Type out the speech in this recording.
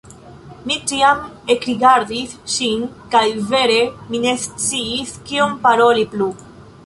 Mi tiam ekrigardis ŝin kaj vere mi ne sciis, kion paroli plu.